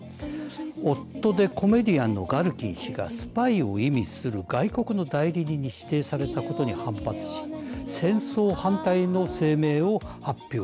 夫でコメディアンのガルキン氏がスパイを意味する外国の代理人に指定されたことに反発し戦争反対の声明を発表。